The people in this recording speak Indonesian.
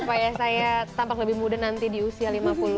supaya saya tampak lebih muda nanti di usia lima puluh